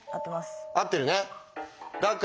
これ合ってるね？